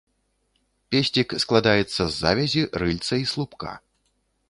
Песцік складаецца з завязі, рыльца і слупка.